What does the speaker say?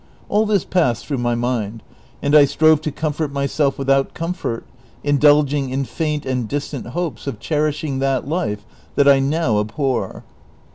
All this passed through my mind, and I strove to comfort luyself without comfort, in(hilging in feint and distant hopes of cherishing that life that I now aljhor.